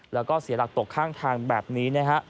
แล้วก็เสียหลักตกข้างทางแบบนี้นะฮะ